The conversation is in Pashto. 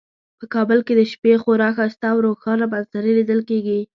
په کابل کې د شپې خورا ښایسته او روښانه منظرې لیدل کیږي